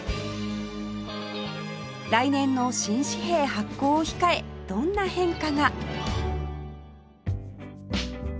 来年の新紙幣発行を控えどんな変化が？